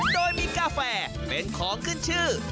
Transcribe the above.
โดยมีกาแฟเป็นของขึ้นชื่อ